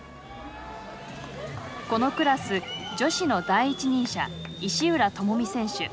このクラス女子の第一人者石浦智美選手。